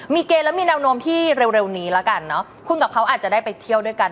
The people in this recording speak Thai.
มีเกณฑ์และมีแนวโน้มที่เร็วนี้แล้วกันเนอะคุณกับเขาอาจจะได้ไปเที่ยวด้วยกัน